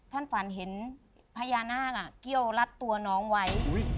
ท่านฝันเห็นพญานาคเกี้ยวรัดตัวน้องไว้